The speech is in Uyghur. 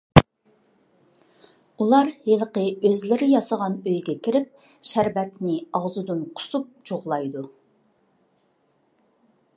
ئۇلار ھېلىقى ئۆزلىرى ياسىغان ئۆيىگە كىرىپ، شەربەتنى ئاغزىدىن قۇسۇپ جۇغلايدۇ.